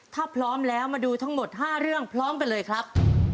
ถ้าพร้อมแล้วมาดูทั้งหมด๕เรื่องพร้อมกันเลยครับ